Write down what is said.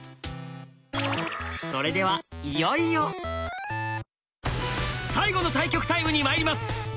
それではいよいよ最後の対局タイムにまいります！